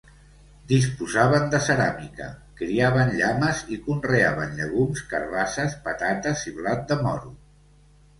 Disposaven de ceràmica, criaven llames i conreaven llegums, carabasses, patates i blat de moro.